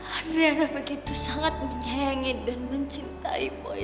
adriana begitu sangat menyayangi dan mencintai boy